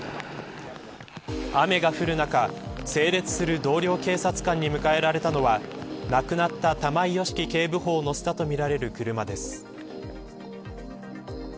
雨が降る中、整列する同僚警察官に迎えられたのは亡くなった玉井良樹警部補を乗せたとみられる車です。